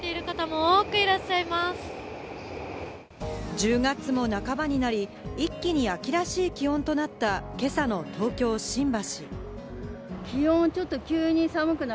１０月も半ばになり、一気に秋らしい気温となった、今朝の東京・新橋。